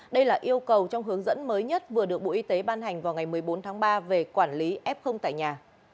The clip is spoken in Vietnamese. đây là yêu cầu trong hướng dẫn mới nhất vừa được bộ y tế ban hành vào ngày một mươi bốn tháng ba về quản lý f tại nhà